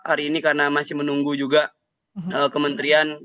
hari ini karena masih menunggu juga kementerian